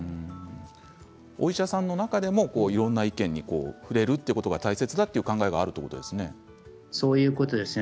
お医者さんの中でもいろんな意見に触れるというのが大切という考えがあるということですね。